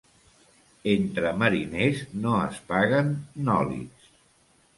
Entre mariners no es paguen nòlits.